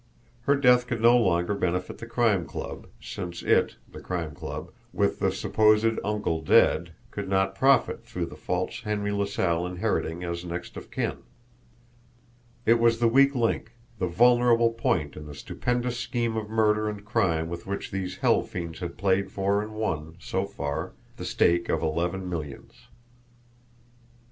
Her death could no longer benefit the Crime Club, since it, the Crime Club, with the supposed uncle dead, could not profit through the false Henry LaSalle inheriting as next of kin! It was the weak link, the vulnerable point in the stupendous scheme of murder and crime with which these hell fiends had played for and won, so far, the stake of eleven millions.